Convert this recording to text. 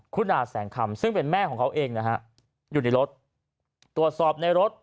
คุณาแสงคำซึ่งเป็นแม่ของเขาเองนะฮะอยู่ในรถตรวจสอบในรถ